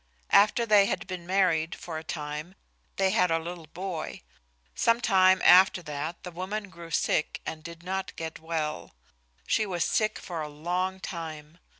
After they had been married for a time they had a little boy. Some time after that the woman grew sick and did not get well. She was sick for a long time.